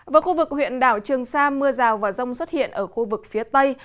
với khu vực huyện đảo trường sa mưa rào và rông xuất hiện ở khu vực phía tây